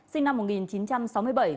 sinh năm một nghìn chín trăm sáu mươi bảy